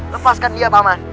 lepaskan dia paman